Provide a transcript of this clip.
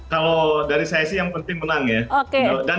kalau dari saya sih yang penting menang ya